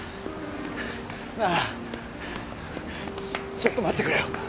ちょっと待ってくれよ